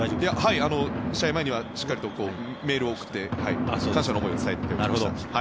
試合前にはしっかりメールを送って感謝の思いを伝えてきました。